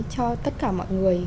cho tất cả mọi người